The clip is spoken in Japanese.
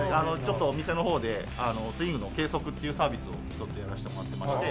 お店の方でスイングの計測っていうサービスを一つやらせてもらってまして。